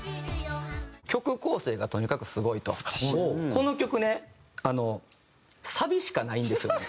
この曲ねサビしかないんですよね。